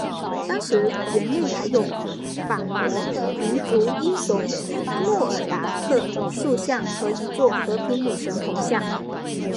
当时园内还有法国民族英雄诺尔达克塑像和一座和平女神铜像。